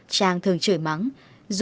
trang thường chửi mắng